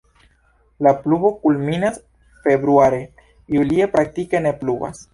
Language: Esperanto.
La pluvo kulminas februare, julie praktike ne pluvas.